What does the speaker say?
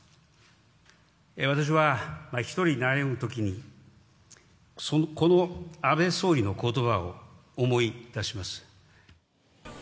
私は一人悩むときに、この安倍総理のことばを思い出します。